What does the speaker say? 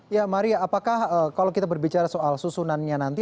ya maria apakah kalau kita berbicara soal susunannya nanti